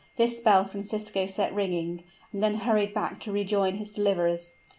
This bell Francisco set ringing, and then hurried back to rejoin his deliverers.